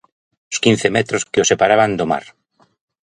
Os quince metros que o separaban do mar.